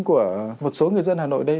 của một số người dân hà nội đây